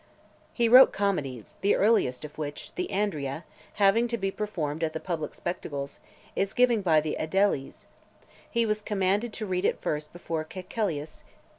He wrote comedies, the earliest of which, The Andria, having to be performed at the public spectacles given by the aediles , he was commanded to read it first before Caecilius .